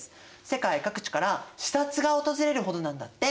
世界各地から視察が訪れるほどなんだって！